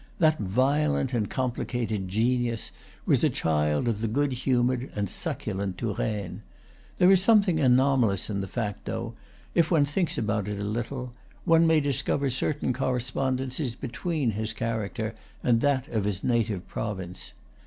That violent and complicated genius was a child of the good humored and succulent Touraine. There is something anomalous in the fact, though, if one thinks about it a little, one may discover certain correspondences between his character and that of his native province.